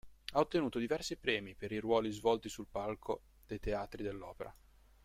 Ha ottenuto diversi premi per i ruoli svolti sul palco dei teatri dell'opera.